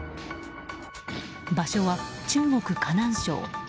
場所は、中国・河南省。